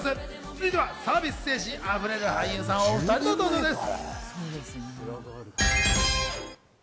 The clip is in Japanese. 続いてはサービス精神溢れる俳優さんお２人の登場です。